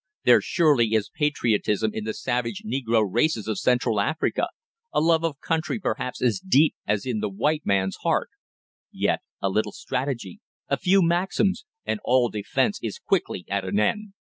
There surely is patriotism in the savage negro races of Central Africa, a love of country perhaps as deep as in the white man's heart; yet a little strategy, a few Maxims, and all defence is quickly at an end.